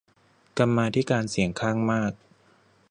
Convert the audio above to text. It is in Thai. กรรมาธิการเสียงข้างมาก